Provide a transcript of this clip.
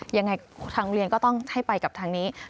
ยังไงทางเรียนก็ต้องให้ไปกับทางนี้